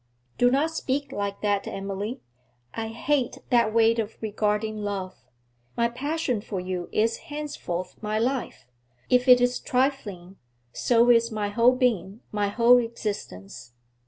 'Do not speak like that, Emily; I hate that way of regarding love! My passion for you is henceforth my life; if it is trifling, so is my whole being, my whole existence.